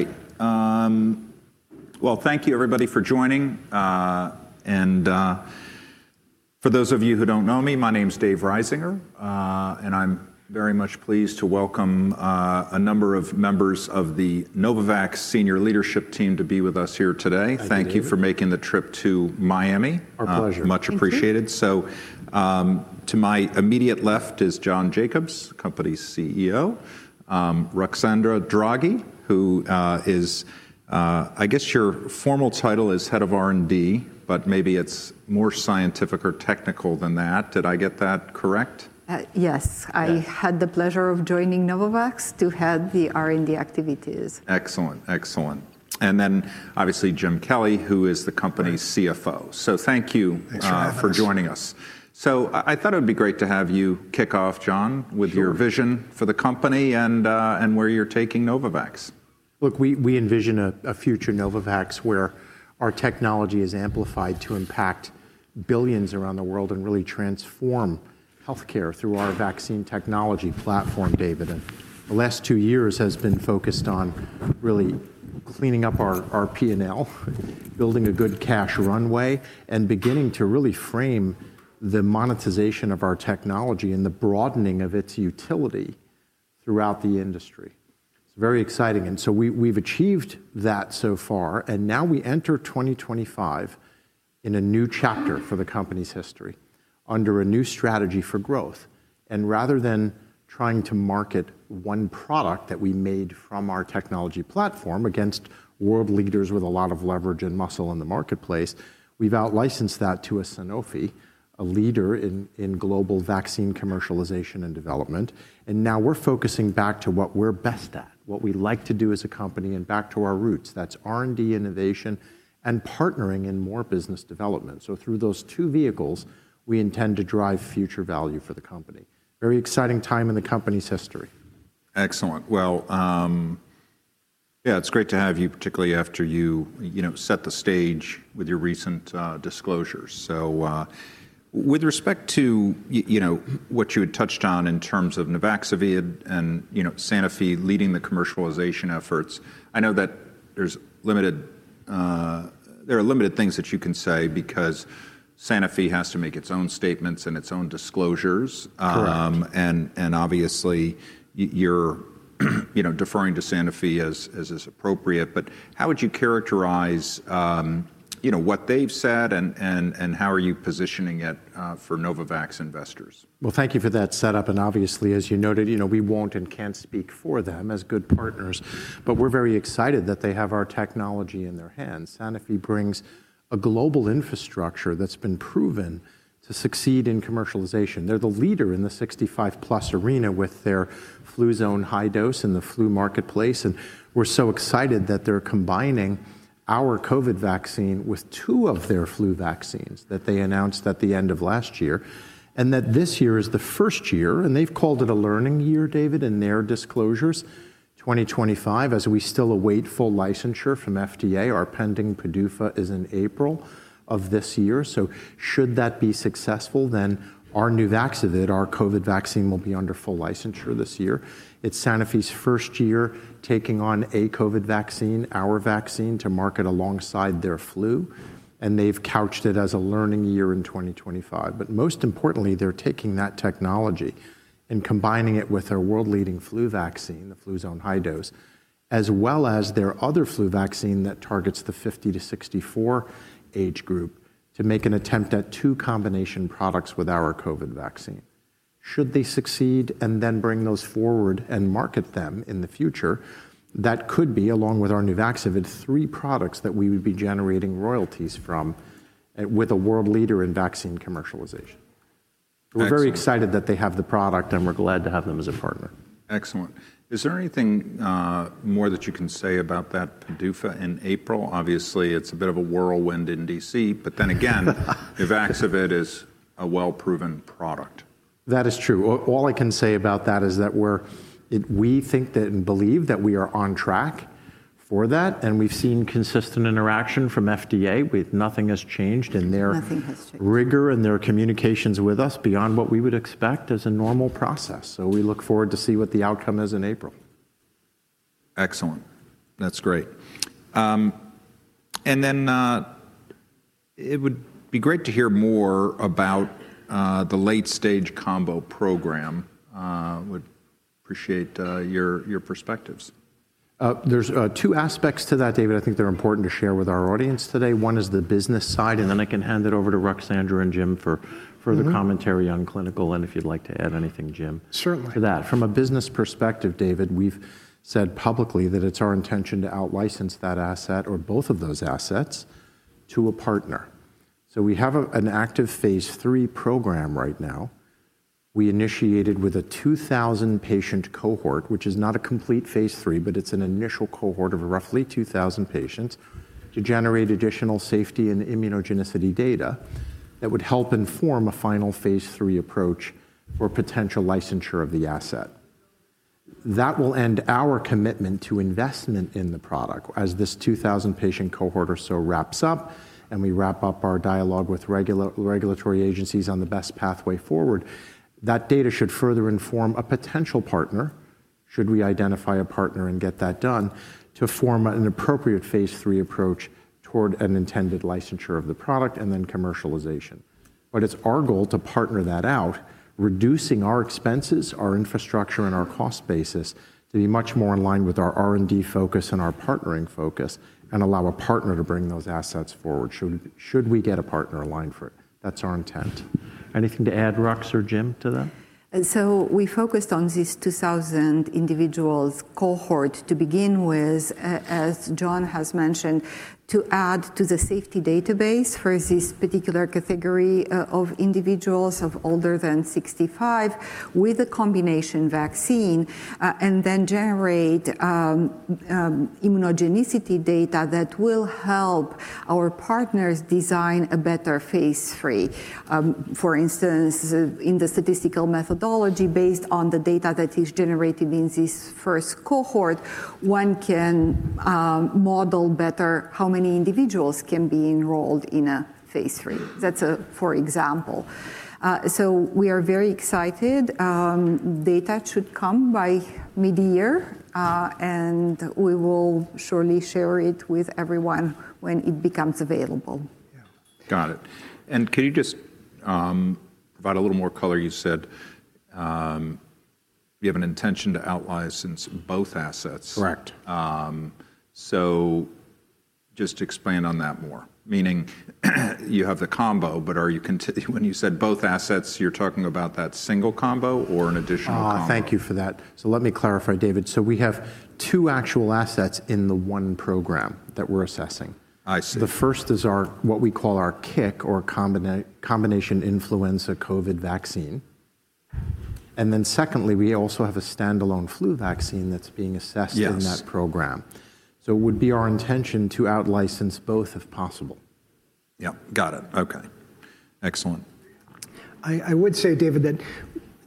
Alrighty. Thank you, everybody, for joining. For those of you who do not know me, my name's Dave Risinger, and I'm very much pleased to welcome a number of members of the Novavax Senior Leadership Team to be with us here today. Thank you for making the trip to Miami. Our pleasure. Much appreciated. To my immediate left is John Jacobs, Company's CEO, Ruxandra Draghia, who is, I guess your formal title is Head of R&D, but maybe it is more scientific or technical than that. Did I get that correct? Yes. I had the pleasure of joining Novavax to head the R&D activities. Excellent. Excellent. Obviously Jim Kelly, who is the company's CFO. Thank you for joining us. I thought it would be great to have you kick off, John, with your vision for the company and where you're taking Novavax. Look, we envision a future Novavax where our technology is amplified to impact billions around the world and really transform healthcare through our vaccine technology platform, David. The last two years have been focused on really cleaning up our P&L, building a good cash runway, and beginning to really frame the monetization of our technology and the broadening of its utility throughout the industry. It is very exciting. We have achieved that so far. We enter 2025 in a new chapter for the company's history under a new strategy for growth. Rather than trying to market one product that we made from our technology platform against world leaders with a lot of leverage and muscle in the marketplace, we have outlicensed that to a Sanofi, a leader in global vaccine commercialization and development. We are focusing back to what we are best at, what we like to do as a company, and back to our roots. That is R&D, innovation, and partnering in more business development. Through those two vehicles, we intend to drive future value for the company. Very exciting time in the company's history. Excellent. Yeah, it's great to have you, particularly after you set the stage with your recent disclosures. With respect to what you had touched on in terms of NUVAXOVID and Sanofi leading the commercialization efforts, I know that there are limited things that you can say because Sanofi has to make its own statements and its own disclosures. Obviously you're deferring to Sanofi as is appropriate. How would you characterize what they've said and how are you positioning it for Novavax investors? Thank you for that setup. Obviously, as you noted, we won't and can't speak for them as good partners, but we're very excited that they have our technology in their hands. Sanofi brings a global infrastructure that's been proven to succeed in commercialization. They're the leader in the 65 plus arena with their Fluzone High-Dose in the flu marketplace. We're so excited that they're combining our COVID vaccine with two of their flu vaccines that they announced at the end of last year and that this year is the first year. They've called it a learning year, David, in their disclosures. 2025, as we still await full licensure from FDA, our pending PDUFA is in April of this year. Should that be successful, then our new vaccine, our COVID vaccine, will be under full licensure this year. It's Sanofi's first year taking on a COVID vaccine, our vaccine, to market alongside their flu. They've couched it as a learning year in 2025. Most importantly, they're taking that technology and combining it with our world leading flu vaccine, the Fluzone High-Dose, as well as their other flu vaccine that targets the 50-64 age group to make an attempt at two combination products with our COVID vaccine. Should they succeed and then bring those forward and market them in the future, that could be, along with our new vaccine, three products that we would be generating royalties from with a world leader in vaccine commercialization. We're very excited that they have the product and we're glad to have them as a partner. Excellent. Is there anything more that you can say about that PDUFA in April? Obviously, it's a bit of a whirlwind in D.C., but then again, NUVAXOVID is a well-proven product. That is true. All I can say about that is that we think that and believe that we are on track for that. We have seen consistent interaction from FDA with nothing has changed in their rigor and their communications with us beyond what we would expect as a normal process. We look forward to see what the outcome is in April. Excellent. That's great. It would be great to hear more about the late-stage combo program. I would appreciate your perspectives. There's two aspects to that, David, I think they're important to share with our audience today. One is the business side, and then I can hand it over to Ruxandra and Jim for further commentary on clinical and if you'd like to add anything, Jim. Certainly. To that. From a business perspective, David, we've said publicly that it's our intention to outlicense that asset or both of those assets to a partner. We have an active Phase 3 program right now. We initiated with a 2,000 patient cohort, which is not a complete Phase 3, but it's an initial cohort of roughly 2,000 patients to generate additional safety and immunogenicity data that would help inform a final Phase 3 approach for potential licensure of the asset. That will end our commitment to investment in the product as this 2,000 patient cohort or so wraps up and we wrap up our dialogue with regulatory agencies on the best pathway forward. That data should further inform a potential partner, should we identify a partner and get that done, to form an appropriate Phase 3 approach toward an intended licensure of the product and then commercialization. It is our goal to partner that out, reducing our expenses, our infrastructure, and our cost basis to be much more in line with our R&D focus and our partnering focus and allow a partner to bring those assets forward. Should we get a partner aligned for it? That is our intent. Anything to add, Rux or Jim, to that? We focused on this 2,000 individuals cohort to begin with, as John has mentioned, to add to the safety database for this particular category of individuals of older than 65 with a combination vaccine and then generate immunogenicity data that will help our partners design a better Phase 3. For instance, in the statistical methodology based on the data that is generated in this first cohort, one can model better how many individuals can be enrolled in a phase three. That is a, for example. We are very excited. Data should come by mid-year and we will surely share it with everyone when it becomes available. Got it. Can you just provide a little more color? You said you have an intention to outlicense both assets. Correct. Just explain on that more. Meaning you have the combo, but are you continuing when you said both assets, you're talking about that single combo or an additional combo? Thank you for that. Let me clarify, David. We have two actual assets in the one program that we're assessing. I see. The first is what we call our CIC or Combination Influenza COVID vaccine. Then secondly, we also have a stand-alone flu vaccine that's being assessed in that program. It would be our intention to outlicense both if possible. Yeah. Got it. Okay. Excellent. I would say, David, that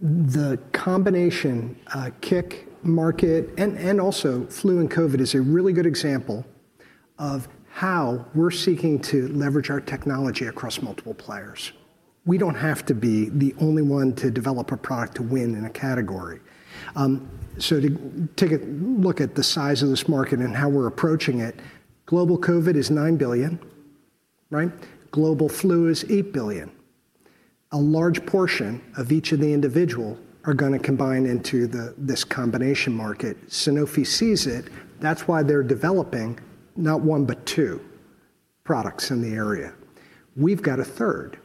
the combination CIC market and also flu and COVID is a really good example of how we're seeking to leverage our technology across multiple players. We don't have to be the only one to develop a product to win in a category. To take a look at the size of this market and how we're approaching it, global COVID is $9 billion, right? Global flu is $8 billion. A large portion of each of the individuals are going to combine into this combination market. Sanofi sees it. That's why they're developing not one, but two products in the area. We've got a third.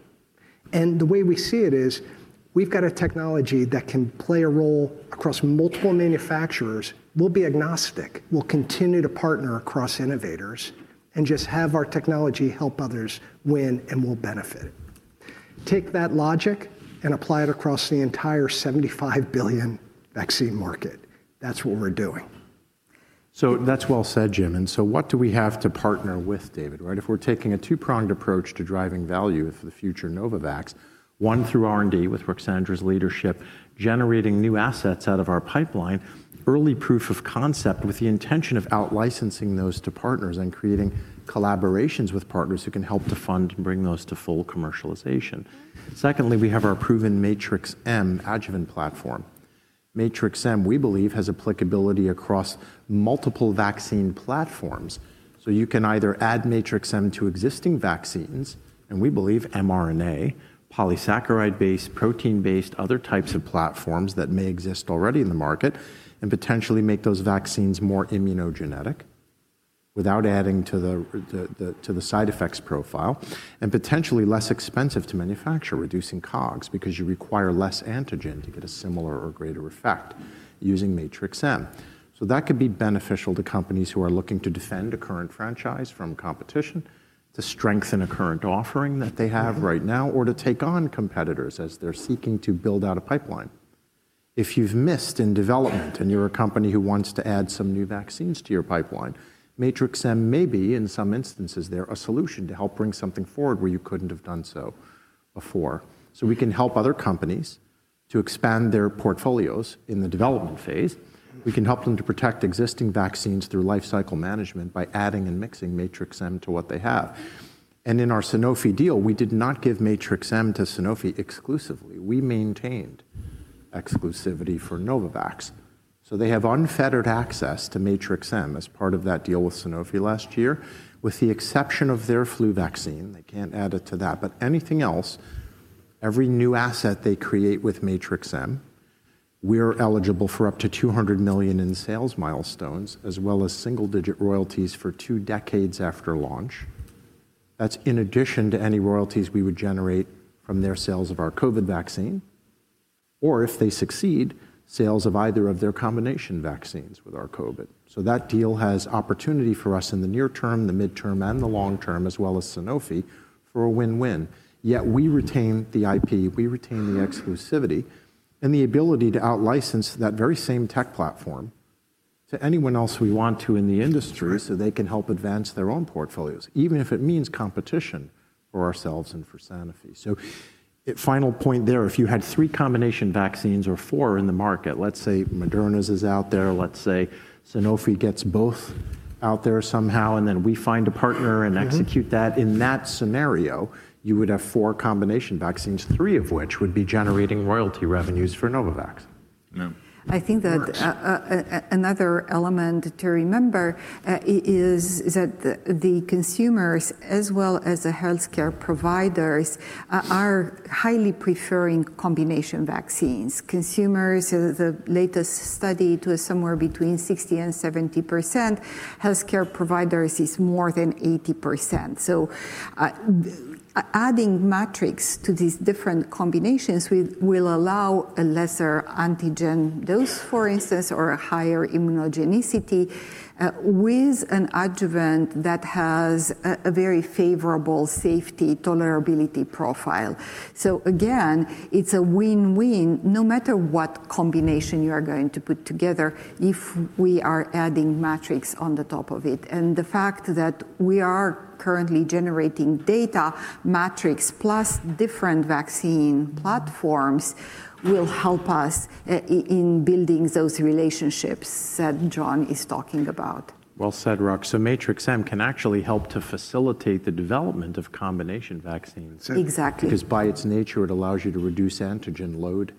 The way we see it is we've got a technology that can play a role across multiple manufacturers. We'll be agnostic. We'll continue to partner across innovators and just have our technology help others win and we'll benefit. Take that logic and apply it across the entire $75 billion vaccine market. That's what we're doing. That's well said, Jim. What do we have to partner with, David, right? If we're taking a two-pronged approach to driving value for the future Novavax, one through R&D with Ruxandra's leadership, generating new assets out of our pipeline, early proof of concept with the intention of outlicensing those to partners and creating collaborations with partners who can help to fund and bring those to full commercialization. Secondly, we have our proven Matrix-M adjuvant platform. Matrix-M, we believe, has applicability across multiple vaccine platforms. You can either add Matrix-M to existing vaccines, and we believe mRNA, polysaccharide-based, protein-based, other types of platforms that may exist already in the market and potentially make those vaccines more immunogenic without adding to the side effects profile and potentially less expensive to manufacture, reducing COGS because you require less antigen to get a similar or greater effect using Matrix-M. That could be beneficial to companies who are looking to defend a current franchise from competition, to strengthen a current offering that they have right now, or to take on competitors as they are seeking to build out a pipeline. If you have missed in development and you are a company who wants to add some new vaccines to your pipeline, Matrix-M may be in some instances there a solution to help bring something forward where you could not have done so before. We can help other companies to expand their portfolios in the development phase. We can help them to protect existing vaccines through life cycle management by adding and mixing Matrix-M to what they have. In our Sanofi deal, we did not give Matrix-M to Sanofi exclusively. We maintained exclusivity for Novavax. They have unfettered access to Matrix-M as part of that deal with Sanofi last year with the exception of their flu vaccine. They cannot add it to that, but anything else, every new asset they create with Matrix-M, we are eligible for up to $200 million in sales milestones as well as single-digit royalties for two decades after launch. That is in addition to any royalties we would generate from their sales of our COVID vaccine or if they succeed, sales of either of their combination vaccines with our COVID. That deal has opportunity for us in the near term, the midterm, and the long term as well as Sanofi for a win-win. Yet we retain the IP, we retain the exclusivity and the ability to outlicense that very same tech platform to anyone else we want to in the industry so they can help advance their own portfolios, even if it means competition for ourselves and for Sanofi. Final point there, if you had three combination vaccines or four in the market, let's say Moderna's is out there, let's say Sanofi gets both out there somehow and then we find a partner and execute that, in that scenario, you would have four combination vaccines, three of which would be generating royalty revenues for Novavax. I think that another element to remember is that the consumers as well as the healthcare providers are highly preferring combination vaccines. Consumers, the latest study to somewhere between 60% and 70%, healthcare providers is more than 80%. Adding Matrix to these different combinations will allow a lesser antigen dose, for instance, or a higher immunogenicity with an adjuvant that has a very favorable safety tolerability profile. Again, it's a win-win no matter what combination you are going to put together if we are adding Matrix on the top of it. The fact that we are currently generating data Matrix plus different vaccine platforms will help us in building those relationships that John is talking about. Well said, Rux. Matrix-M can actually help to facilitate the development of combination vaccines. Exactly. Because by its nature, it allows you to reduce antigen load.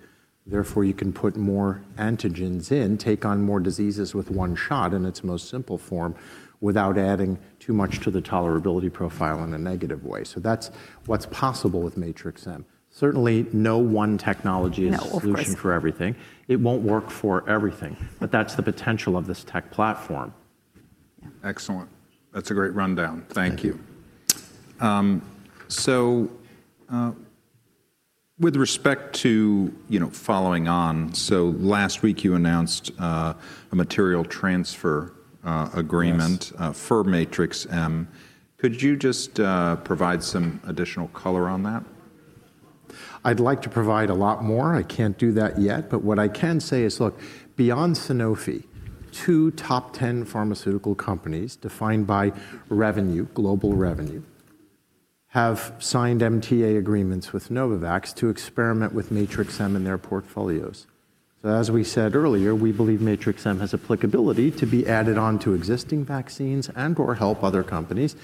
Therefore, you can put more antigens in, take on more diseases with one shot in its most simple form without adding too much to the tolerability profile in a negative way. That's what's possible with Matrix-M. Certainly, no one technology is a solution for everything. It won't work for everything, but that's the potential of this tech platform. Excellent. That's a great rundown. Thank you. With respect to following on, last week you announced a material transfer agreement for Matrix-M. Could you just provide some additional color on that? I'd like to provide a lot more. I can't do that yet, but what I can say is, look, beyond Sanofi, two top 10 pharmaceutical companies defined by revenue, global revenue, have signed MTA agreements with Novavax to experiment with Matrix-M in their portfolios. As we said earlier, we believe Matrix-M has applicability to be added on to existing vaccines and/or help other companies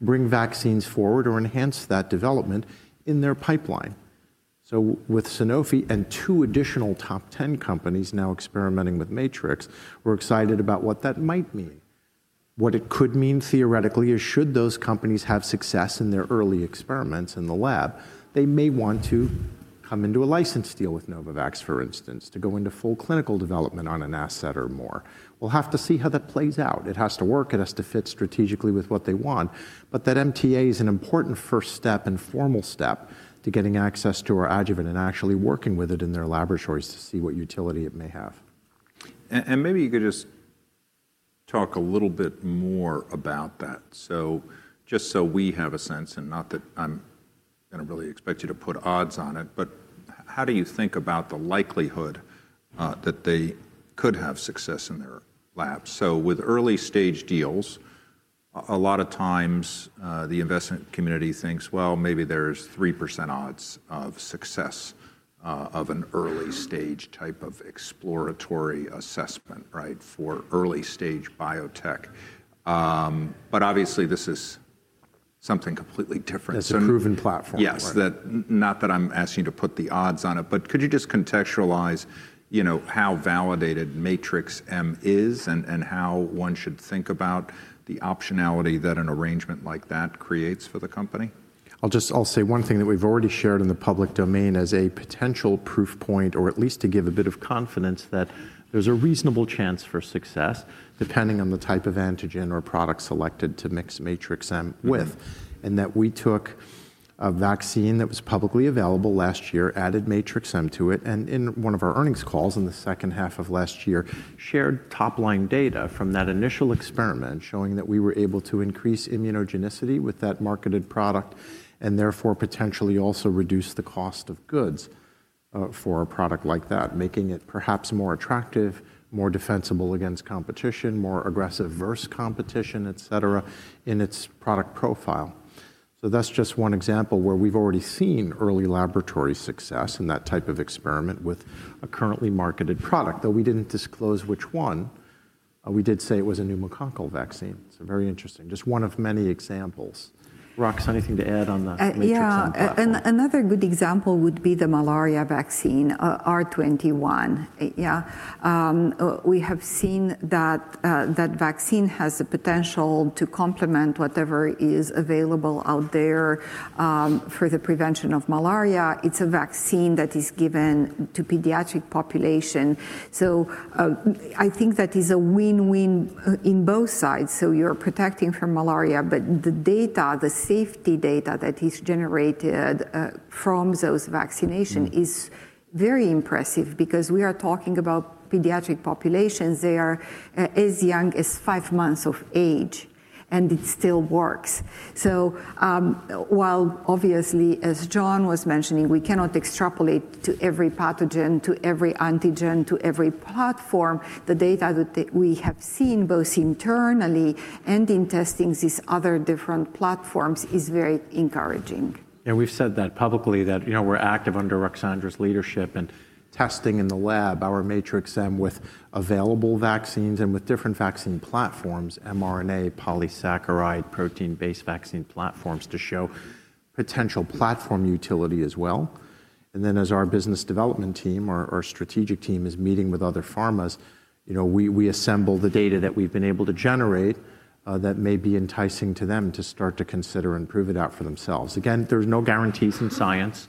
bring vaccines forward or enhance that development in their pipeline. With Sanofi and two additional top 10 companies now experimenting with Matrix, we're excited about what that might mean. What it could mean theoretically is should those companies have success in their early experiments in the lab, they may want to come into a license deal with Novavax, for instance, to go into full clinical development on an asset or more. We'll have to see how that plays out. It has to work. It has to fit strategically with what they want. That MTA is an important first step and formal step to getting access to our adjuvant and actually working with it in their laboratories to see what utility it may have. Maybe you could just talk a little bit more about that. Just so we have a sense, and not that I'm going to really expect you to put odds on it, how do you think about the likelihood that they could have success in their labs? With early stage deals, a lot of times the investment community thinks, well, maybe there's 3% odds of success of an early stage type of exploratory assessment, right, for early stage biotech. Obviously this is something completely different. That's a proven platform. Yes. Not that I'm asking you to put the odds on it, but could you just contextualize how validated Matrix-M is and how one should think about the optionality that an arrangement like that creates for the company? I'll just say one thing that we've already shared in the public domain as a potential proof point or at least to give a bit of confidence that there's a reasonable chance for success depending on the type of antigen or product selected to mix Matrix-M with and that we took a vaccine that was publicly available last year, added Matrix-M to it, and in one of our earnings calls in the second half of last year, shared top-line data from that initial experiment showing that we were able to increase immunogenicity with that marketed product and therefore potentially also reduce the cost of goods for a product like that, making it perhaps more attractive, more defensible against competition, more aggressive versus competition, et cetera, in its product profile. That's just one example where we've already seen early laboratory success in that type of experiment with a currently marketed product, though we didn't disclose which one. We did say it was a pneumococcal vaccine. It's very interesting. Just one of many examples. Rux, anything to add on that Matrix-M? Another good example would be the malaria vaccine, R21. Yeah. We have seen that that vaccine has the potential to complement whatever is available out there for the prevention of malaria. It's a vaccine that is given to pediatric population. I think that is a win-win in both sides. You're protecting from malaria, but the data, the safety data that is generated from those vaccinations is very impressive because we are talking about pediatric populations. They are as young as five months of age and it still works. While obviously, as John was mentioning, we cannot extrapolate to every pathogen, to every antigen, to every platform, the data that we have seen both internally and in testing these other different platforms is very encouraging. Yeah. We've said that publicly that we're active under Ruxandra's leadership and testing in the lab our Matrix-M with available vaccines and with different vaccine platforms, mRNA, polysaccharide, protein-based vaccine platforms to show potential platform utility as well. As our business development team or strategic team is meeting with other pharmas, we assemble the data that we've been able to generate that may be enticing to them to start to consider and prove it out for themselves. There's no guarantees in science,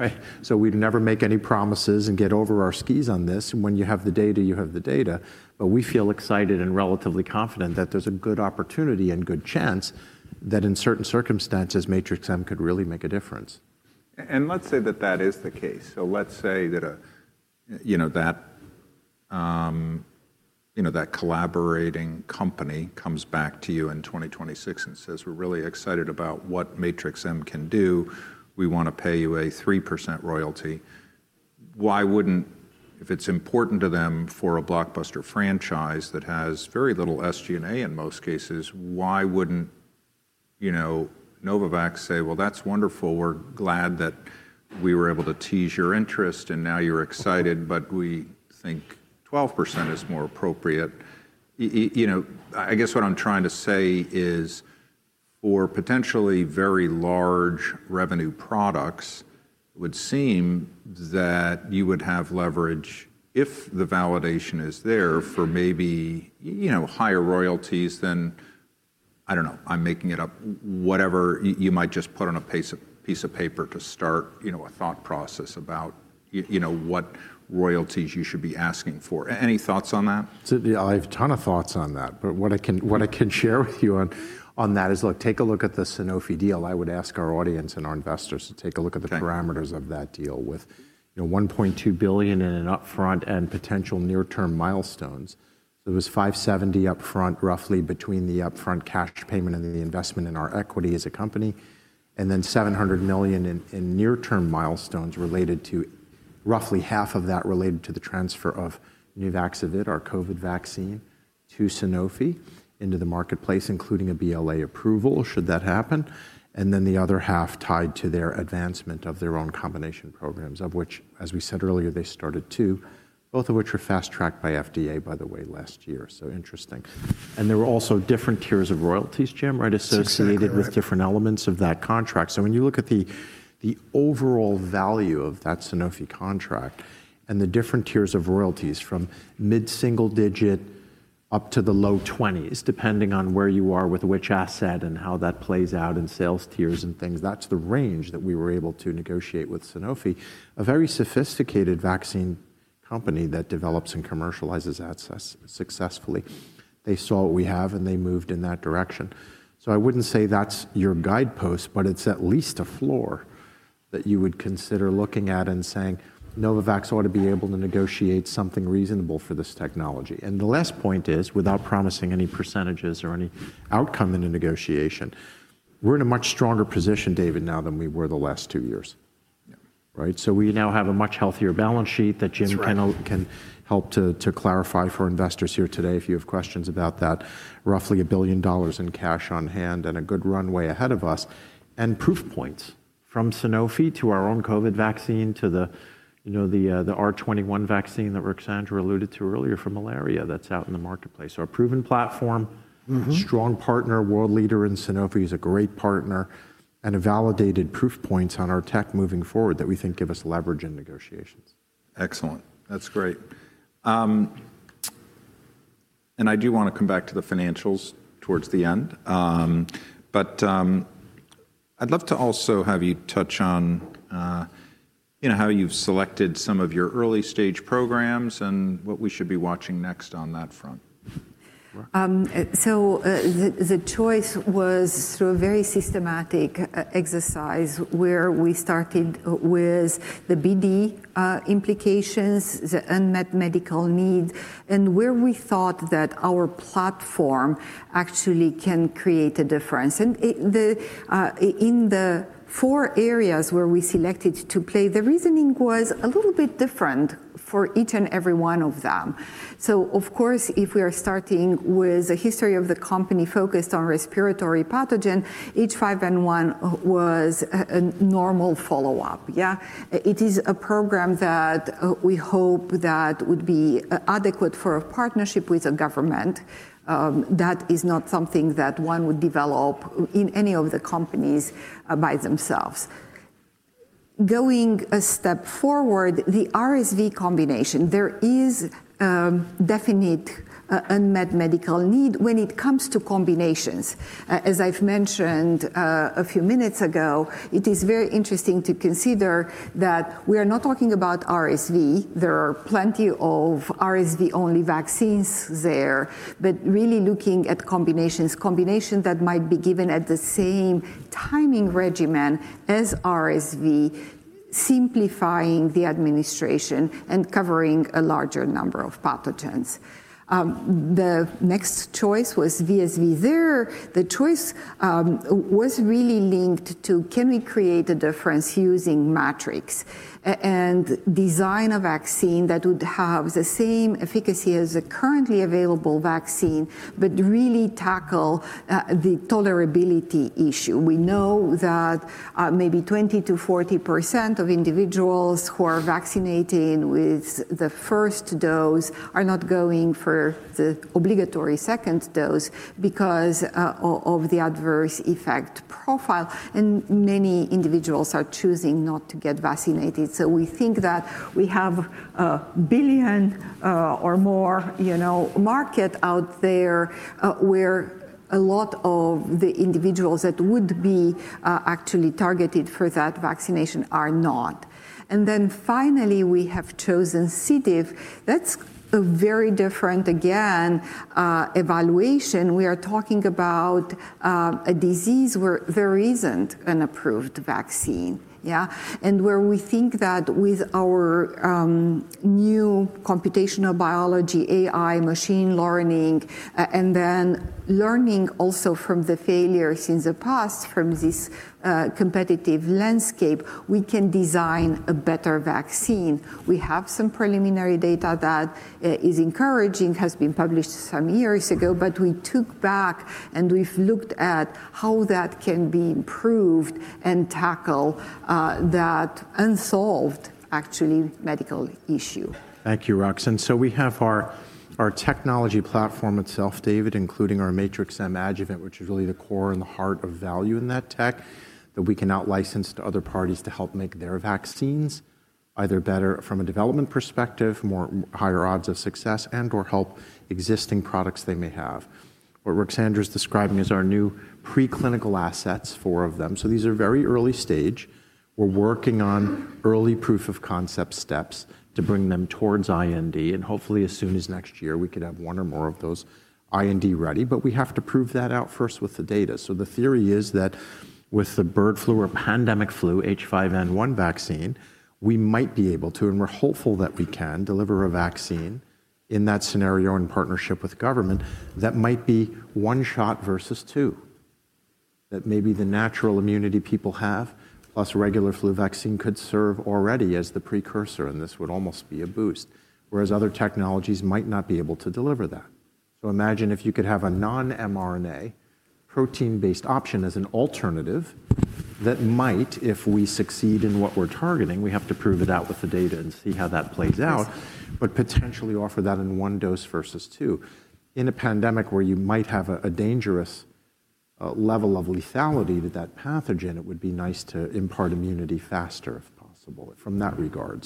right? We'd never make any promises and get over our skis on this. When you have the data, you have the data. We feel excited and relatively confident that there's a good opportunity and good chance that in certain circumstances, Matrix-M could really make a difference. Let's say that that is the case. Let's say that that collaborating company comes back to you in 2026 and says, "We're really excited about what Matrix-M can do. We want to pay you a 3% royalty." If it's important to them for a blockbuster franchise that has very little SG&A in most cases, why wouldn't Novavax say, "That's wonderful. We're glad that we were able to tease your interest and now you're excited, but we think 12% is more appropriate"? I guess what I'm trying to say is for potentially very large revenue products, it would seem that you would have leverage if the validation is there for maybe higher royalties than, I don't know, I'm making it up, whatever you might just put on a piece of paper to start a thought process about what royalties you should be asking for. Any thoughts on that? I have a ton of thoughts on that, but what I can share with you on that is, look, take a look at the Sanofi deal. I would ask our audience and our investors to take a look at the parameters of that deal with $1.2 billion in an upfront and potential near-term milestones. It was $570 million upfront roughly between the upfront cash payment and the investment in our equity as a company and then $700 million in near-term milestones related to roughly half of that related to the transfer of NUVAXOVID, our COVID vaccine, to Sanofi into the marketplace, including a BLA approval should that happen. The other half tied to their advancement of their own combination programs, of which, as we said earlier, they started two, both of which were fast-tracked by FDA, by the way, last year. Interesting. There were also different tiers of royalties, Jim, right, associated with different elements of that contract. When you look at the overall value of that Sanofi contract and the different tiers of royalties from mid-single digit up to the low 20s, depending on where you are with which asset and how that plays out in sales tiers and things, that's the range that we were able to negotiate with Sanofi, a very sophisticated vaccine company that develops and commercializes successfully. They saw what we have and they moved in that direction. I would not say that is your guidepost, but it is at least a floor that you would consider looking at and saying, "Novavax ought to be able to negotiate something reasonable for this technology." The last point is, without promising any percentages or any outcome in a negotiation, we are in a much stronger position, David, now than we were the last two years, right? We now have a much healthier balance sheet that Jim can help to clarify for investors here today if you have questions about that, roughly $1 billion in cash on hand and a good runway ahead of us and proof points from Sanofi to our own COVID vaccine to the R21 vaccine that Ruxandra alluded to earlier for malaria that is out in the marketplace. A proven platform, strong partner, world leader in Sanofi is a great partner and a validated proof points on our tech moving forward that we think give us leverage in negotiations. Excellent. That's great. I do want to come back to the financials towards the end, but I'd love to also have you touch on how you've selected some of your early stage programs and what we should be watching next on that front. The choice was through a very systematic exercise where we started with the BD implications, the unmet medical need, and where we thought that our platform actually can create a difference. In the four areas where we selected to play, the reasoning was a little bit different for each and every one of them. Of course, if we are starting with a history of the company focused on respiratory pathogen, H5N1 was a normal follow-up. Yeah. It is a program that we hope that would be adequate for a partnership with a government. That is not something that one would develop in any of the companies by themselves. Going a step forward, the RSV combination, there is definite unmet medical need when it comes to combinations. As I've mentioned a few minutes ago, it is very interesting to consider that we are not talking about RSV. There are plenty of RSV-only vaccines there, but really looking at combinations, combinations that might be given at the same timing regimen as RSV, simplifying the administration and covering a larger number of pathogens. The next choice was VZV. There, the choice was really linked to can we create a difference using Matrix and design a vaccine that would have the same efficacy as the currently available vaccine, but really tackle the tolerability issue. We know that maybe 20%-40% of individuals who are vaccinated with the first dose are not going for the obligatory second dose because of the adverse effect profile. Many individuals are choosing not to get vaccinated. We think that we have a billion or more market out there where a lot of the individuals that would be actually targeted for that vaccination are not. Finally, we have chosen C. diff. That's a very different, again, evaluation. We are talking about a disease where there isn't an approved vaccine, yeah, and where we think that with our new computational biology, AI, machine learning, and then learning also from the failures in the past from this competitive landscape, we can design a better vaccine. We have some preliminary data that is encouraging, has been published some years ago, but we took back and we've looked at how that can be improved and tackle that unsolved, actually, medical issue. Thank you, Rux. We have our technology platform itself, David, including our Matrix-M adjuvant, which is really the core and the heart of value in that tech that we can outlicense to other parties to help make their vaccines either better from a development perspective, more higher odds of success, and/or help existing products they may have. What Ruxandra is describing is our new preclinical assets for them. These are very early stage. We're working on early proof of concept steps to bring them towards IND. Hopefully, as soon as next year, we could have one or more of those IND ready, but we have to prove that out first with the data. The theory is that with the bird flu or pandemic flu, H5N1 vaccine, we might be able to, and we're hopeful that we can deliver a vaccine in that scenario in partnership with government that might be one shot versus two, that maybe the natural immunity people have plus regular flu vaccine could serve already as the precursor, and this would almost be a boost, whereas other technologies might not be able to deliver that. Imagine if you could have a non-mRNA protein-based option as an alternative that might, if we succeed in what we're targeting, we have to prove it out with the data and see how that plays out, but potentially offer that in one dose versus two. In a pandemic where you might have a dangerous level of lethality to that pathogen, it would be nice to impart immunity faster if possible from that regard.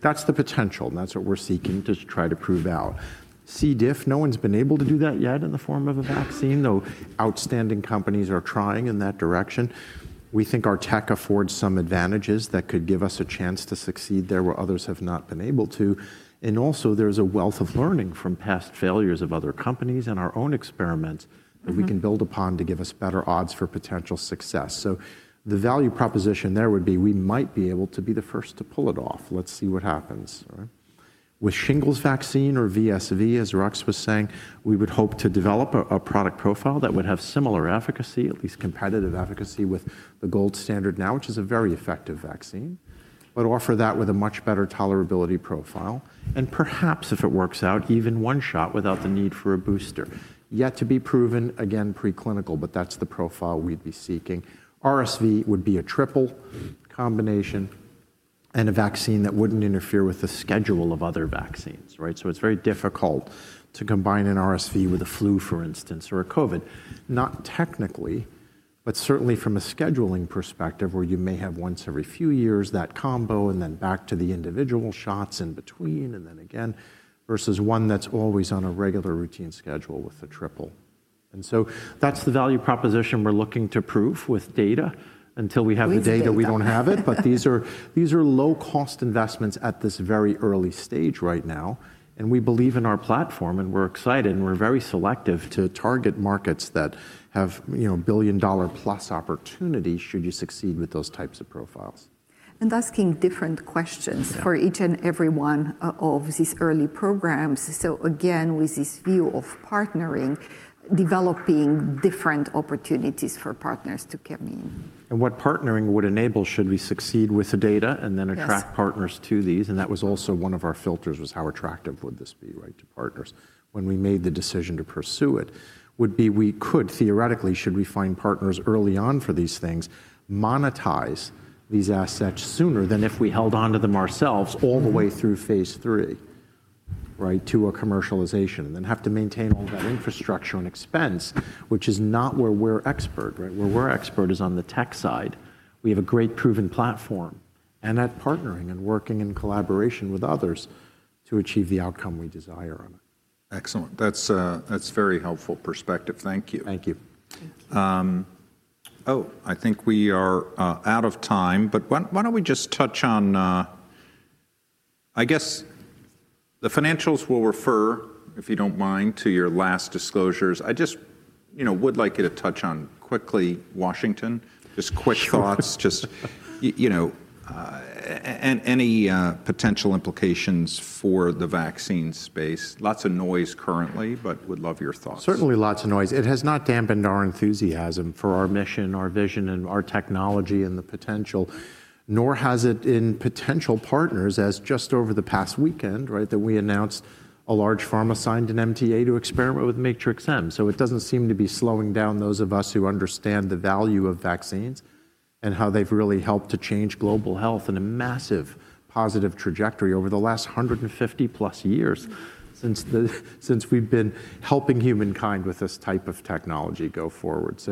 That's the potential, and that's what we're seeking to try to prove out. C. diff, no one's been able to do that yet in the form of a vaccine, though outstanding companies are trying in that direction. We think our tech affords some advantages that could give us a chance to succeed there where others have not been able to. There's a wealth of learning from past failures of other companies and our own experiments that we can build upon to give us better odds for potential success. The value proposition there would be we might be able to be the first to pull it off. Let's see what happens. With shingles vaccine or VZV, as Rux was saying, we would hope to develop a product profile that would have similar efficacy, at least competitive efficacy with the gold standard now, which is a very effective vaccine, but offer that with a much better tolerability profile. Perhaps if it works out, even one shot without the need for a booster. Yet to be proven, again, preclinical, but that's the profile we'd be seeking. RSV would be a triple combination and a vaccine that wouldn't interfere with the schedule of other vaccines, right? It is very difficult to combine an RSV with a flu, for instance, or a COVID, not technically, but certainly from a scheduling perspective where you may have once every few years that combo and then back to the individual shots in between and then again versus one that is always on a regular routine schedule with a triple. That is the value proposition we are looking to prove with data. Until we have the data, we do not have it, but these are low-cost investments at this very early stage right now. We believe in our platform, and we are excited, and we are very selective to target markets that have billion-dollar-plus opportunity should you succeed with those types of profiles. Asking different questions for each and every one of these early programs. Again, with this view of partnering, developing different opportunities for partners to come in. What partnering would enable should we succeed with the data and then attract partners to these? That was also one of our filters, was how attractive would this be, right, to partners when we made the decision to pursue it. It would be we could theoretically, should we find partners early on for these things, monetize these assets sooner than if we held onto them ourselves all the way through Phase 3, right, to a commercialization and then have to maintain all that infrastructure and expense, which is not where we're expert, right? Where we're expert is on the tech side. We have a great proven platform and at partnering and working in collaboration with others to achieve the outcome we desire on it. Excellent. That's a very helpful perspective. Thank you. Thank you. Oh, I think we are out of time, but why don't we just touch on, I guess the financials will refer, if you don't mind, to your last disclosures. I just would like you to touch on quickly, Washington, just quick thoughts, just any potential implications for the vaccine space. Lots of noise currently, but would love your thoughts. Certainly lots of noise. It has not dampened our enthusiasm for our mission, our vision, and our technology and the potential, nor has it in potential partners as just over the past weekend, right, that we announced a large pharma signed an MTA to experiment with Matrix-M. It does not seem to be slowing down those of us who understand the value of vaccines and how they have really helped to change global health in a massive positive trajectory over the last 150+ years since we have been helping humankind with this type of technology go forward.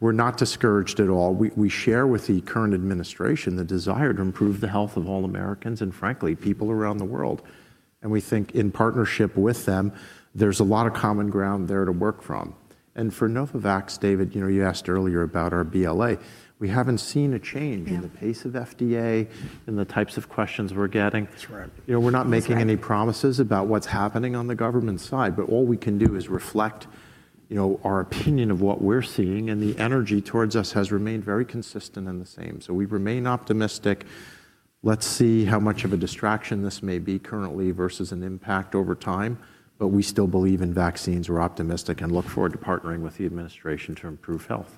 We are not discouraged at all. We share with the current administration the desire to improve the health of all Americans and, frankly, people around the world. We think in partnership with them, there is a lot of common ground there to work from. For Novavax, David, you asked earlier about our BLA. We haven't seen a change in the pace of FDA and the types of questions we're getting. We're not making any promises about what's happening on the government side, but all we can do is reflect our opinion of what we're seeing, and the energy towards us has remained very consistent and the same. We remain optimistic. Let's see how much of a distraction this may be currently versus an impact over time, but we still believe in vaccines. We're optimistic and look forward to partnering with the administration to improve health.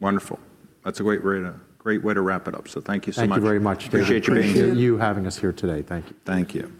Wonderful. That's a great way to wrap it up. Thank you so much. Thank you very much, Dave. Appreciate you having us here today. Thank you. Thank you.